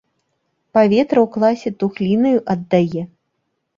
Паветра ў класе тухлінаю аддае.